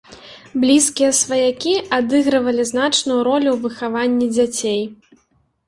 Блізкія сваякі адыгрывалі значную ролю ў выхаванні дзяцей.